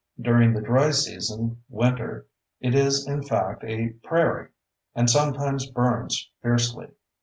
During the dry season (winter) it is in fact a prairie—and sometimes burns fiercely.